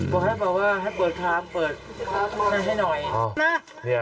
บอกให้บอกว่าให้เปิดทางเปิดให้หน่อยนะ